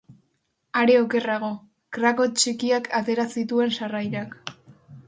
Are okerrago, krak hots txikiak atera zituen sarrailak.